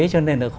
cho nên là